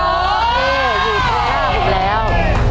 โอเคอยู่แถวหน้าผมแล้ว